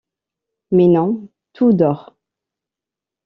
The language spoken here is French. Mais non, tout dort.